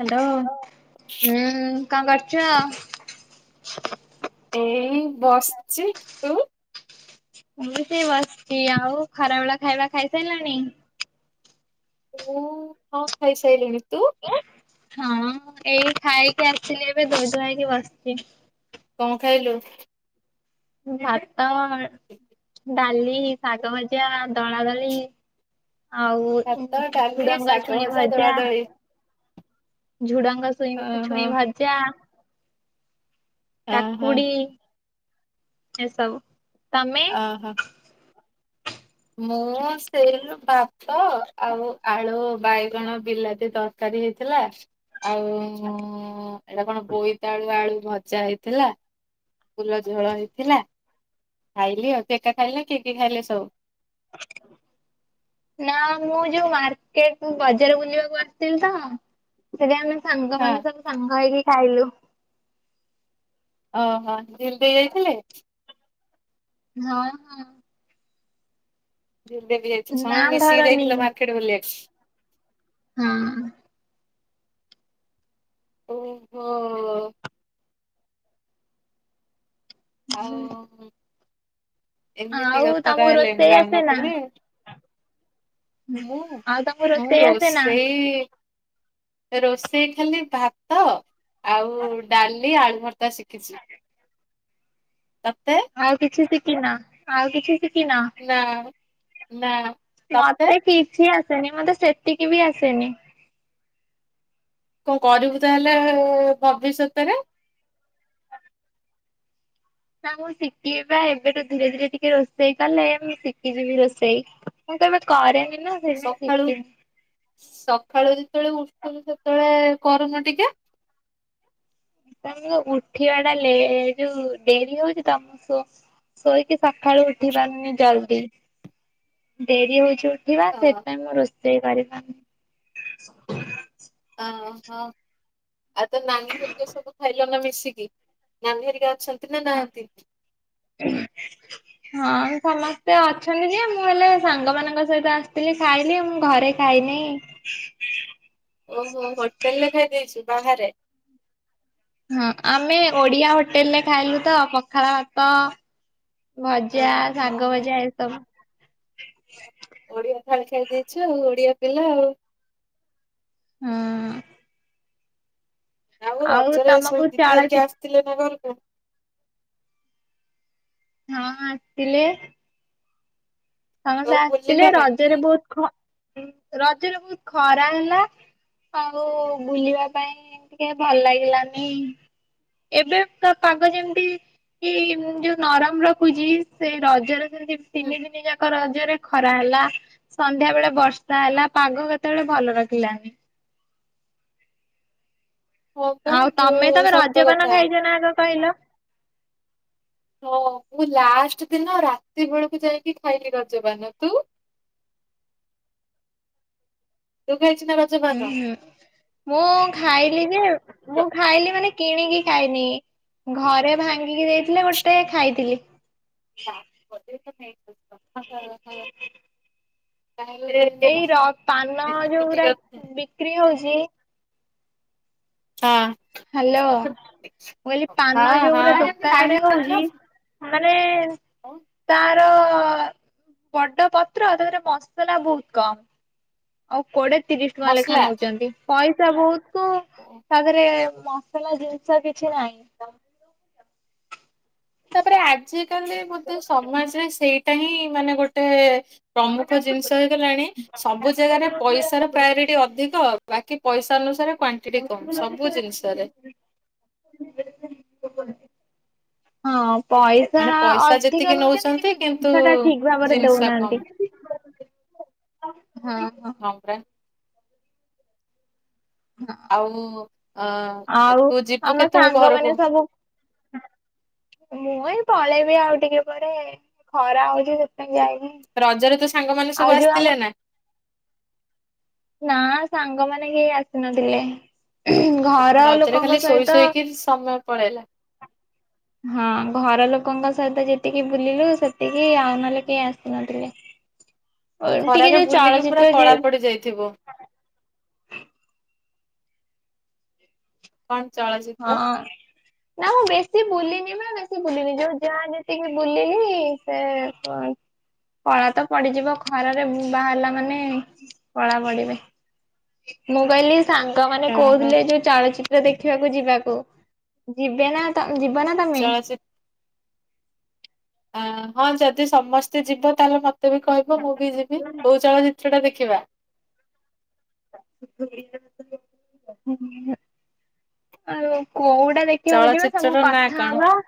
Hello. ହୁଁ କଣ କରୁଛ? ଏଇ ବସଚି ତୁ? ମୁଁ ବି ସେ ବସିଛି ଆଉ ଖରା ବେଳ ଖାଇବା ଖାଇସାରିଲଣି। ମୁଁ ହଁ ଖାଇସାରିଲିଣି ତୁ। ହଁ ଏଇ ଖାଇକି ଆସିଲି ଏବେ ଧୋଇ ଧୂଆ ହେଇକି ବସିଛି। କଣ ଖାଇଲୁ? ଭାତ ଡାଲି ଶାଗ ଭଜା ଦଳାଦଳି। ଆଉ ଭାତ ଡାଲି ଝୁଡଙ୍ଗ ଶାଗ ଛୁଇଁ ଦଳା ଭଜା। ଦଳି। ଝୁଡଙ୍ଗ ସୁଇଁ ଓହୋ ଛୁଇଁ ଭଜା। ଓହୋ କାକୁଡି। ଏସବୁ ତମେ? ଓହୋ। ମୁଁ ସେଇ ଭାତ ଆଉ ଆଳୁ ବାଇଗଣ ବିଲାତି ତର କାରୀ ହେଇଥିଲା ଆଉ ଏଇଟା କଣ ବୋଇତାଳୁ ଆଳୁ ଭଜା ହେଇଥିଲା। ଫୁଲ ଝୋଳ ହେଇଥିଲା ଖାଇଲି ଆଉ ତୁ ଏକା ଖାଇଲୁ ନା କିଏ କିଏ ଖାଇଲେ ସବୁ? [inaudible] ନା ମୁଁ ଯୋଉ ମାର୍କେଟ ବଜାର ବୁଲିବାକୁ ଆସିଥିଲି ତ। ସେଠି ଆମେ ହଁ ସାଙ୍ଗମାନଙ୍କ ସହ ସାଙ୍ଗ ହେଇକି ଖାଇଲୁ। ଓହୋ ଝିଲି ଦେଇ ଯାଇଥିଲେ? ହଁ ହଁ। [unintelligible] ଯାଇଥିଲୁ ନା ସମସ୍ତେ ମିଶିକି ଧରନି ଯାଇଥିଲେ ମାର୍କେଟ ବୁଲି ବାକୁ। ହଁ। ଓହୋ। ଆଉ ଆଉ ଏମିତି କଥା ତମକୁ ତାହେଲେ ମୁଁ ରୋଷେଇ ଆସେ ନା? ଜାଣିନଥିଲି। ମୁଁ ଆଉ ତମକୁ ମୁଁ ରୋଷେଇ ଆସେ ନା? ରୋଷେଇ। ରୋଷେଇ ଖାଲି ଭାତ ଆଉ ଡାଲି ଆଳୁ ଭର୍ତା ଶିଖିଛି। ତତେ। ଆଉ କିଛି ଶିଖି ନ ଆଉ କିଛି ଶିଖି ନ। ନା ମ ନା। ତତେ ମତେ କିଛି ଆସେନି ମତେ ସେତିକି ବି ଆସେନି। କଁ କରିବୁ ତାହେଲେ ଭବିଷ୍ୟତରେ। ନା ମୁଁ ଶିଖିବି ବା ଏବେଠୁ ଧୀରେ ଧୀରେ ଟିକେ ରୋଷେଇ କଲେ ମୁଁ ଶିଖିଯିବି ରୋଷେଇ। ମୁଁ କେବେ କରେନି ନା। ସେଇଥିପାଇଁ ସକାଳୁ ଶିଖିନି। ସକାଳୁ ଯେତେବେଳେ ଉଠୁଛୁ ସେତେବେଳେ କରୁନୁ ଟିକେ। ତ ମୋ ଉଠିବା ଟା ଲେ ଯୋଉ ଡେରି ହଉଛି ତ ମୁଁ ସୋ ଶୋଇକି ସକାଳୁ ଉଠି ପାରୁନି ଜଲଦି ଡେରି ହଉଛି ଉଠ ଉଠିବା ହଁ ସେଇଥି ପାଇଁ ମୁଁ ରୋଷେଇ କରିପାରୁନି। ଆଁ ହ ଆଉ ତ ନାନି ଘରିକ ସବୁ ଖାଇଲ ନା ମିଶିକି। ନାନି ପରିକା ଅଛନ୍ତି ନା ନାହାନ୍ତିିି। ହଁ ସମସ୍ତେ ଅଛନ୍ତି ଯେ ମୁଁ ହେଲେ ସାଙ୍ଗ ମାନଙ୍କ ସହିତ ଆସିଥିଲି ଖାଇଲି ମୁଁ ଘରେ। ଖାଇନି। ଓହୋ ହୋଟେଲ ରେ ଖାଇଦେଇଛୁ ବାହାରେ। ହୁଁ ଆମେ ଓଡିଆ ହୋଟେଲରେ ଖାଇଲୁ ତ ପଖାଳ ଭାତ। ଭଜା ଓହୋ ଶାଗ ଭଜା ଏସବୁ। ଓଡିଆ ଥାାଳି ଖାଇ ଦେଇଛୁ ଆଉ ଓଡିଆ ପିଲା ଆଉ। ହୁଁ। ଆଉ ରଜରେ ସବୁ ତମକୁ ଦିଦି ହେରିକି ଚଳଚି ଆସିଥିଲେ ନା ଘରକୁ। ହଁ ଆସିଥିଲେ। ସବୁ ସମସ୍ତେ ଆସିଥିଲେ ବୁଲିଲ ନା? ରଜରେ ବହୁତ ଖ ଉଁ ରଜରେ ବହୁତ ଖରା ହେଲା। ଆଉ ବୁଲିବା ପାଇଁ ଟିକେ ଭଲ ଲାଗିଲାନି। ଏବେ ପୁରା ପାଗ ଯେମିତି କି ଯୋଉ ନରମ ରଖୁଛି ସେ ରଜରେ। ସେମତି ହୁଁ। ତିନି ଦିନି ଯାକ। ରଜରେ ଖରା ହେଲା ସନ୍ଧ୍ୟା ବେଳେ ବର୍ଷା ହେଲା ପାଗ କେତେବେଳେ ଭଲ ରଖିଲାନି। ହଁ ପା ଆଉ ତମେ ଯୋଉ ତମେ ସତ ରଜପାନ କଥା। ଖାଇଛ ନା ଆଗ କହିଲ। ହଁ ମୁଁ ଲାଷ୍ଟ ଦିନ ରାତି ବେଳକୁ ଯାଇକି ଖାଇଲି ରଜପାନ ତୁ। ତୁ ଖାଇଛୁ ନା ର ଉଁ ହୁଁ। ମୁଁ ଖାଇଲି ଯେ ମୁଁ ର- ଖାଇଲି ମାନେ କିଣିକି ଖାଇନି। ଘରେ ଭାଙ୍ଗିକି ଦେଇଥିଲେ ଗୋଟେ ଖାଇଥିଲି। [inaudible] ତାହେଲେ। ହଁ ଏଇ ର ପାନ ଯୋଉଗୁରା ବିକ୍ରି ହଉଛି। ହଁ। ହାଲୋ ମୁଁ କହିଲି ପାନ ଯୋଉ ଗୁରା ଦୋକାନରେ ହଁ ହଉଛି। ମାନେ। ହଁ ତାର ବଡ ପତ୍ର, ତା ଦେହେରେ ମସଲା ବହୁତ କମ୍। ଆଉ କୋଡିଏ ତିରିଶ ଟଙ୍କା ଲେଖା ମସଲା ନଉଛନ୍ତି, ପଇସା ବହୁତ ତା ଦେହେରେ ମସଲା ଜିନିଷ କିଛି ନାହିଁ। ତାପରେ ଆଜିକାଲି ବୋଧେ ସମାଜରେ, ସେଇଟା ହିଁ ମାନେ ଗୋଟେ ପ୍ରମୁଖ ଜିନିଷ ହେଇଗଲାଣି, ସବୁ ଜାଗାରେ ପଇସାର ପ୍ରାୟୋରିଟି ଅଧିକ। ବାକି ପଇସା ଅନୁସାରେ କ୍ଵାଣ୍ଟିଟି କମ୍ ସବୁ ଜିନିଷରେ। ହଁ ପଇସା ମାନେ ପଇସା ଅଧିକ ଯେତିକି ନଉଛନ୍ତି, କିନ୍ତୁ ଜିନିଷଟା ଠିକ୍ ଭାବରେ ଜିନିଷ ଦଉନାହାନ୍ତି। କମ୍। ହଁ- ହଁ। ହଁ ଆଉ ଅ ଆଉ ତୁ ଯିବୁ ଆମ କେତେବେଳେ ସାଙ୍ଗମାନେ ଘରକୁ? ସବୁ ମୁଁ ଏଇ ପଳେଇବି ଆଉ ଟିକେ ପରେ, ଖରା ହଉଛି ସେଥିପାଇଁ ଯାଇନି। ରଜରେ ତୋ ସାଙ୍ଗମାନେ ସବୁ ଆଉ ଯୋଉ ଆମ ଆସିଥିଲେ ନା? ନା ସାଙ୍ଗମାନେ କେହି ଆସିନଥିଲେ। ଘର ରଜରେ ଲୋକଙ୍କ ଖାଲି ଶୋଇ ସହିତ ଶୋଇକି ସମୟ ପଳେଇଲା। ହଁ ଘର ଲୋକଙ୍କ ସହିତ ଯେତିକି ବୁଲିଲୁ ସେତିକି, ଆଉ ନହେଲେ କେହି ଆସିନଥିଲେ। ଟିକେ ଯୋଉ ଚଳଚିତ୍ର ଯେ ଯାଇଥିବ କଣ ଚଳଚି ହଁ। ନାଁ ମୁଁ ବେଶୀ ବୁଲିିନି ମ ବେଶୀ ବୁଲିିନି, ଯୋଉ ଯାହା ଯେତିକି ବୁଲିଲି ସେ କଣ କଳା ତ ପଡିଯିବ, ଖରାରେ ବାହାରିଲା ମାନେ କଳା ପଡିବେ। ମୁଁ କହିଲି ସାଙ୍ଗମାନେ ଓହୋ। କହୁଥିଲେ ଯୋଉ ଚଳଚିତ୍ର ଦେଖିବାକୁ ଯିବାକୁ, ଯିବେ ନା ଯିବ ନା ତମେ? ଚଳଚି ଆ ହଁ ଯଦି ସମସ୍ତେ ଯିବ, ତାହେଲେ ମତେ ବି କହିବ ମୁଁ ବି ଯିବି। କୋଉ ଚଳଚିତ୍ର ଟା ଦେଖିବା? [inaudible] ଆଉ କୋଉଟା ଦେଖିବାକୁ ଯିବା ସବୁ ଚଳଚିତ୍ରର ନାଁ କଥା କଣ? ହବା?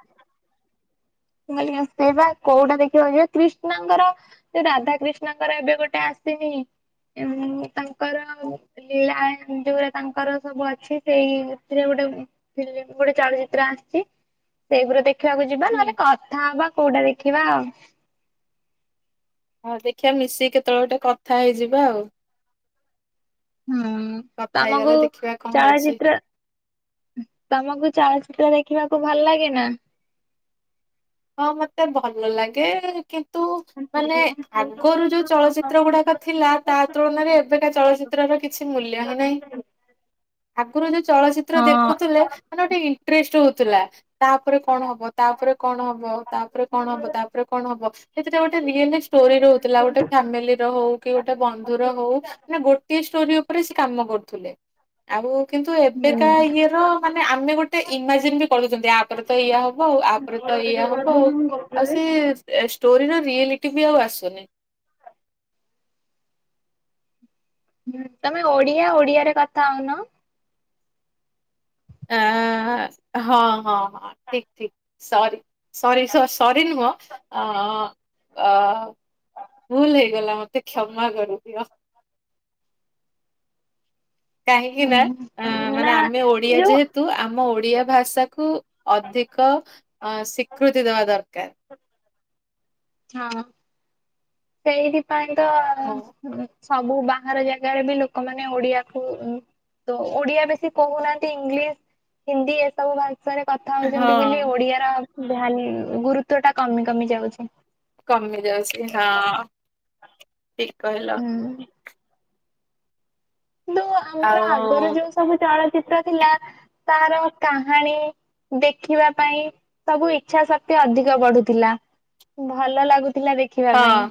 ମାନେ ସେ ବା କୋଉଟା ଦେଖିବାକୁ ଯିବା, କ୍ରିଷ୍ଣାଙ୍କର ସେ ରାଧା କ୍ରିଷ୍ଣଙ୍କର ଏବେ ଗୋଟେ ଆସିନି, ଉଁ ତାଙ୍କର ଲୀଳା ଯୋଉ ଗୁରା ତାଙ୍କର ସବୁ ଅଛି, ସେଇଥିରେ ଗୋଟେ ଫିଲ୍ମ ଗୋଟେ ଚଳଚିତ୍ର ଆସିଛି, ସେଇଗୁରା ଦେଖ ଦେଖିବାକୁ ଯିବା, ହୁଁ ନହେଲେ କଥା ହବା କୋଉଟା ଦେଖିବା ଆଉ? ହଁ ଦେଖିଆ ମିଶିକି କେତେବେଳେ ଗୋଟେ କଥା ହେଇଯିବା ଆଉ। ହୁଁ କଥା ହେଇଗଲେ ତମକୁ ଦେଖିବା କଣ ହଉଛି ଚଳଚିତ୍ର ତମକୁ ଚଳଚିତ୍ର ଦେଖିବାକୁ ଭଲ ଲାଗେ ନା? ହଁ ମତେ ଭଲ ଲାଗେ, କିନ୍ତୁ ମାନେ ଆଗରୁ ଯୋଉ ଚଳଚିତ୍ର ଗୁଡାକ ଥିଲା, ତା ତୁଳନାରେ ଏବେକା ଚଳଚିତ୍ରର କିଛି ମୂଲ୍ୟ ହିଁ ନାହିଁ। ଆଗରୁ ଯୋଉ ଚଳଚି ତ୍ର ହଁ। ଦେଖୁଥିଲେ ମାନେ ଗୋଟେ ଇଣ୍ଟରେଷ୍ଟ ହଉଥିଲା, ତାପରେ କଣ ହବ ତାପରେ କଣ ହବ ହବ, ତାପରେ କଣ ହବ, ତାପରେ କଣ ହବ? ସେଥିରେ ଗୋଟେ ରିଅଲ ଷ୍ଟୋରି ରହୁଥିଲା, ଗୋଟେ ଫ୍ୟାମିଲିର ହଉ, କି ଗୋଟେ ବନ୍ଧୁର ହଉ। ମାନେ ଗୋଟିଏ ଷ୍ଟୋରି ଉପରେ ସେ କାମ କରୁଥିଲେ। ଆଉ କିନ୍ତୁ ଏବେକା ଇଏର ମାନେ ଆମେ ଗୋଟେ ଇମାଜିନ୍ ବି କରୁଛନ୍ତି, ଆପରେ ତ ଏଇଆ ହବ ଆଉ। ଆ ପରେ ତ ଇୟା ହବ ଆଉ, ଆଉ ସେ ଷ୍ଟୋରିର ରିୟେଲିଟି ହିଁ ଆଉ ଆସୁନି। ହୁଁ, ତମେ ଓଡିଆ ଓଡିଆରେ କଥା ହଉନ? ଆଁ-ଆଁ-ଆଁ ହଁ ହଁ ହଁ ଠିକ୍ ଠିକ୍। ସରି ସରି ସ ସରି ନୁହଁ ଅଁ-ଅଁ ଅ-ଅ ଭୁଲ ହେଇଗଲା, ମତେ କ୍ଷମା କରିଦିଅ। କାହିଁକି ନା ମାନେ ନା ଆମେ ଓଡିଆ ଯୋଉ ଯେହେତ୍ ତ ଆମ ଓଡିଆ ଭାଷାକୁ ଅଧିକ ଅ ସ୍ୱୀକୃତି ଦେବା ଦରକାର। ହ [inaudible] ହଁ। ସେଇଥିପାଇଁ ତ ହଁ ହୁଁ, ସବୁ ବାହାର ଜାଗାରେ ବି ଲୋକମାନେ ଓଡିଆକୁ ଉଁ ତ ଓଡିଆ ବେଶୀ କହୁନାହାନ୍ତି ଇଂଲିଶ, ହିନ୍ଦୀ ଏସବୁ ଭାଷ୍ ଭାଷାରେ କଥା ହଉଛନ୍ତି ବୋଲି ହଁ ଓଡିଆର ଭ୍ୟାଲ୍ ଗୁରୁତ୍ୱଟା କମି କମି ଯାଉଛି। କମି ଯାଉଛି, ହଁଅଅ ଠିକ୍ କହିଲ। ହୁଁ। କିନ୍ତୁ ଆମର ଆଉ ଆଗରୁ ଯୋଉ ସବୁ ଚଳଚ୍ଚିତ୍ର ଥିଲା ତାର କାହାଣୀ ଦେଖିବା ପାଇଁ ସବୁ ଇଚ୍ଛା ଶକ୍ତି ଅଧିକ ବଢୁଥିଲା। ଭଲ ଲାଗୁଥିଲା ଦେଖ୍ ଦେଖିବା ହଁ ପାଇଁ,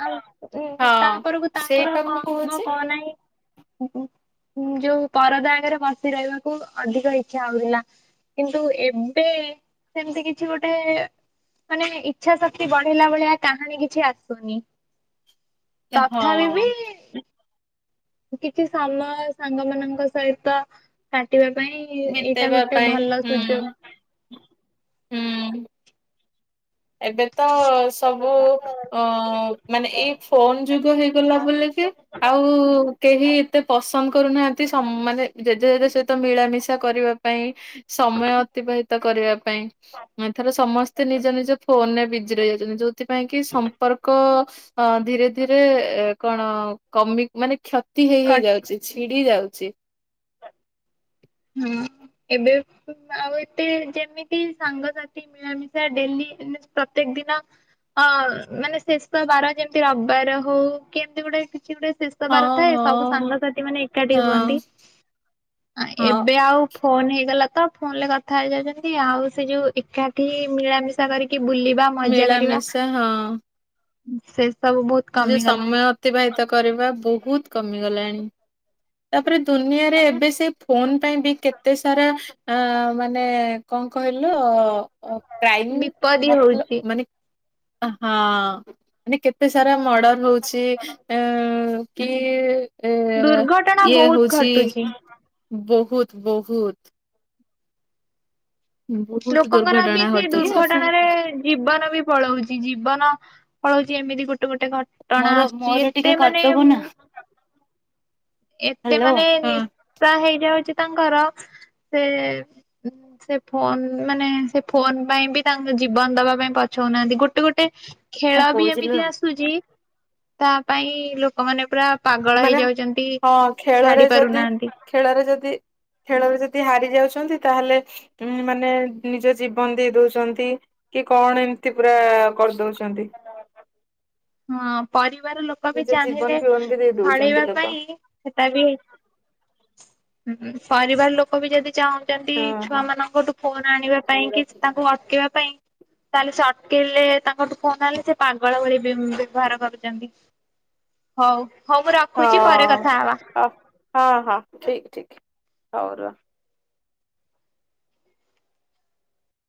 ଆଉ ହଁ ତା ପରକୁ ତାଙ୍କର ସେଇଟା ମୁଁ କଣ ହବ କହୁଛି କଣ ନାହିଁ [inaudible] ଯୋଉ ପରଦା ଆଗରେ ବସି ରହିବାକୁ ଅଧିକ ଇଚ୍ଛା ହଉଥିଲା। କିନ୍ତୁ ଏବେ ସେମିତି କିଛି ଗୋଟେ ମାନେ ଇଚ୍ଛା ଶକ୍ତି ବଢେଇଲା ଭଳିଆ କାହାଣୀ କିଛି ଆସୁନି। ତଥାପି ହଁଅ। ବି କିଛି ସମୟ ସାଙ୍ଗ ମାନଙ୍କ ସହିତ କାଟିବା ପାଇଁ-ଇ-ଇ ଏଇଟା ବିତେଇବା ଗୋଟେ ପାଇଁ ଭଲ ହୁଁ ସୁଯୋଗ। ହୁଁ। ଏବେ ତ [inaudible] ସବୁ ଅ-ଅ-ଅ ମାନେ ଏଇ ଫୋନ୍ ଯୁଗ ହେଇଗଲା ବୋଲିକି ଆଉ-ଉ-ଉ କେହି ଏତେ ପସନ୍ଦ କରୁନାହାନ୍ତି ସମ୍ ମାନେ ଜେଜେ ଜେଜେ ସହିତ ମିଳାମିଶା କରିବାକୁ। ପାଇଁ ସମୟ ଅତିବାହିତ କରିବା ପାଇଁ, ଏଥର ସମସ୍ତେ ନିଜ ନିଜ ଫୋନରେ ବିଜି ରହି ଯାଉଛନ୍ତି ଯୋଉଥିପାଇଁ କି ସମ୍ପର୍କ ହଁ ଧୀରେ ଧୀରେ ଏ କଣ କମି ମାନେ କ୍ଷତ୍ କ୍ଷତି ହେଇ ହେଇ କଟି ଯାଉଛି ଛିଡି ଯାଉଛି। ହୁଁ ଉ ଏବେ ଆଉ ଏତେ ଯେମିତି ସାଙ୍ଗସାଥି ମିଳାମିଶା ଡେଲି ପ୍ରତ୍ୟେକ ଦିନ ହଁ, ମାନେ ଶେଷ ବାର ଯେମିତି ରବିବାର ହଉ କି ଏମିତି ଗୋଟେ କିଛି ଗୋଟେ ଶେଷ୍ ଶେଷବାର ହଁ ଥାଏ ସବୁ ହଁ ସାଙ୍ଗସାଥି ମାନେ ଏକାଠି ହଁ ହୁଅନ୍ତି। ହଁ ଏବେ ଆଉ ଫୋନ ହେଇଗଲା ତ ଫୋନରେ କଥା ହେଇଯାଉଚନ୍ତି ଆଉ ସେ ଯଉ ଏକାଠି ମିଳାମିଶା କରିକି ବୁଲିବା ମଜା କରିବା ମିଳାମିଶା ହଁ। ସେ ସବୁ ବହୁତ୍ ସେ ଯେଉ ସମୟ ଅତିବାହିତ କରିବା ବହୁତ କମିଗଲାଣି। ତାପରେ ଦୁନିଆରେ ଏବେ ସିପ୍ ଫୋନ ପାଇଁ ବି କେତେ ସାରା ଆ ମାନେ କଣ କହିଲ ଅ କ୍ରାଇମ୍ ବିପଦ ମତଲବ୍ ହଉଛି ମାନେ ହଁ। ମାନେ କେତେ ସାରା ମର୍ଡର ହଉଚି ଅ କି ଏ ଦୁର୍ଘଟଣା ଇଏ ବହୁତ ହଉଚି ଘଟୁଛି। ବହୁତ- ବହୁତ୍। ବହୁତ ଲୋକଙ୍କରବି ଦୁର୍ଘଟଣା ଘଟ ଇଏ ସେଇଦୁର୍ଘଟଣାରେ ଜୀବନବି ପଳଉଚି ଜୀବନ ପଳଉଚି ଏମିତି ଗୋଟେ ଗୋଟେ ଘ ଘଟଣା ମୋର ଆସୁଚି ମୋର ଟିକେ ଏତେ ମାନେ କରିଦବୁ ମୁଁ ନା ଏତେ ହ୍ୟାଲୋ ମାନେ କଣ ନିଶା ହେଇଯାଉଚି ତାଙ୍କର ସେ [inaudible] ସେଫୋନ୍ ମାନେ ସେଫୋନ୍ ପାଇଁବି ତାଙ୍କ ଜୀବନ ଦବା ପାଇଁ ପଛଉନାହାନ୍ତି ଗୋଟେ ଗୋଟେ ଖେଳବି କହୁଥିଲୁ? ଏମିତି ଆସୁଚି ତାପାଇଁ ଲୋକମାନେ ପୁରା ପାଗଳ ମାନେ ହେଇଯାଉଚନ୍ତି। ହଁ ଖେଳରେ ଯଦି, ଖେଳରେ ଯଦି, ଖେଳରେ ଯଦି ହାରି ଯାଉଛନ୍ତି ତାହେଲେ ଉମ୍ ମାନେ ନିଜ ଜୀବନ ଦେଇ ଦଉଚନ୍ତି। କି କଣ ଏମିତି ପୁରା କରିଦଉଚନ୍ତି। ହଁ ପରିବାର ଲୋକବି ନିଜ ଚାହିଁଲେ ଜୀବନ ଫିବନ ବି ଦେଇ ଦଉଛନ୍ତି ଛାଡ଼େଇବା ଲୋକ ପାଇଁ ହେଟାବି ହୁଁ ପରିବାର ଲୋକବି ଯଦି ଚାହୁ ଚନ୍ତି ହଁ ହଁ। ଛୁଆ ମାନଙ୍କଠୁ ଫୋନ୍ ଆଣିବା ହଉ ପାଇଁକି ରଖୁଛି। ତାଙ୍କୁ ଅଟକେଇବା ପାଇଁ ତାହେଲେସେ ଅଟ୍କେଇଲେ ତାଙ୍କଠୁ ଫୋନ୍ ଆଣିଲେ ସେପାଗଳ ଭଳି ବି ବ୍ୟବହାର କରୁଚନ୍ତି ହଉ। ହଉ ମୁଁ ରଖୁଚି ପରେ ହଁ କଥା ହବା। ହଁ ହଁ, ହଁ ଠିକ୍ ଠିକ୍ ହଉ ର।